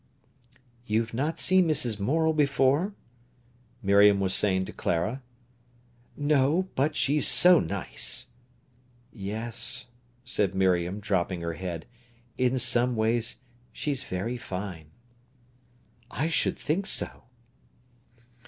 "You've not seen Mrs. Morel before?" Miriam was saying to Clara. "No; but she's so nice!" "Yes," said Miriam, dropping her head; "in some ways she's very fine." "I should think so."